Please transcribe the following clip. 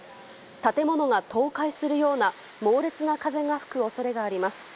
建物が倒壊するような猛烈な風が吹く恐れがあります。